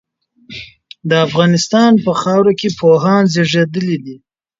د افغانستان په خاوره کي پوهان زېږيدلي دي.